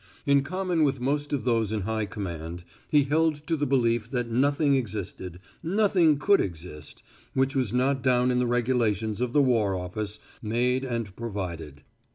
In common with most of those in high command, he held to the belief that nothing existed nothing could exist which was not down in the regulations of the war office, made and provided.